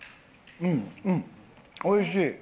うん、うん、おいしい。